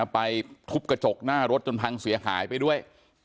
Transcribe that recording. ไปทุบกระจกหน้ารถจนพังเสียหายไปด้วย